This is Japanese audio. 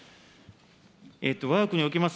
わが国におきます